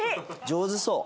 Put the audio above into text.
上手そう。